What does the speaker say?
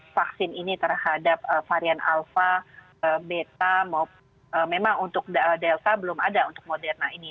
vaksin ini terhadap varian alpha beta memang untuk delta belum ada untuk moderna ini